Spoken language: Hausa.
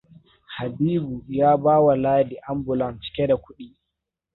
Habibu ya bawa Ladi anbulan cike da kuɗi.